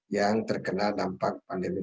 yang terkena dampak pandemi